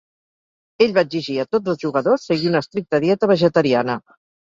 Ell va exigir a tots els jugadors seguir una estricta dieta vegetariana.